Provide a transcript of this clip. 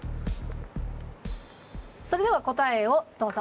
それでは答えをどうぞ。